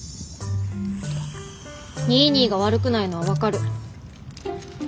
ニーニーが悪くないのは分かる。